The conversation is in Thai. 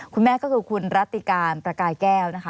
คุณแม่ก็คือคุณรัติการประกายแก้วนะคะ